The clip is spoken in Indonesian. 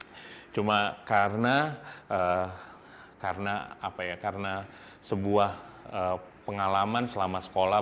apa adanya waktu itu cuma karena karena apa ya karena sebuah pengalaman selama sekolah